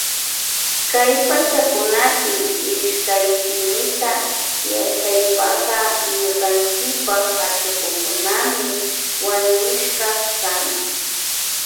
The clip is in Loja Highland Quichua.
Kay pachakunapi ishkayshimipi yachaypaka ñukanchipa hatukukunami wañushka kan.